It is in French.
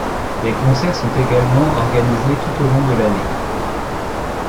Des concerts sont également organisés tout au long de l'année.